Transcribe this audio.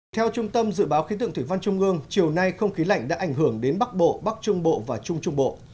theo trung tâm dự báo khí tượng thủy văn trung ương chiều nay không khí lạnh đã ảnh hưởng đến bắc bộ bắc trung bộ và trung trung bộ